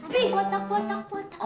vih otak otak otak otak